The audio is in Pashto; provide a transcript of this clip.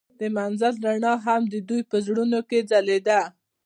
د منظر رڼا هم د دوی په زړونو کې ځلېده.